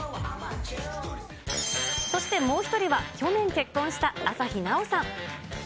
そしてもう１人は、去年結婚した朝日奈央さん。